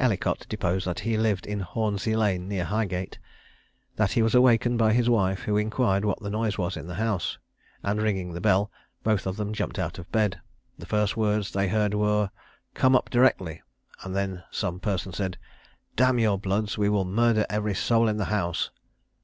Ellicott deposed that he lived in Hornsey lane, near Highgate, that he was awakened by his wife, who inquired what noise was in the house; and ringing the bell, both of them jumped out of bed. The first words they then heard were, "Come up directly;" and then some person said, "D n your bloods, we will murder every soul in the house!"